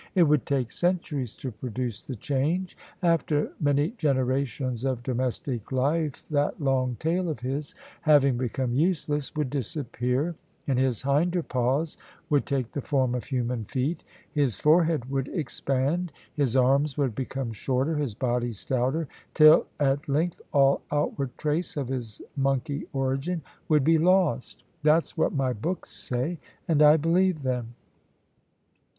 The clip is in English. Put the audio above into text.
"It would take centuries to produce the change. After many generations of domestic life that long tail of his, having become useless, would disappear; his hinder paws would take the form of human feet; his forehead would expand; his arms would become shorter, his body stouter till at length all outward trace of his monkey origin would be lost. That's what my books say, and I believe them."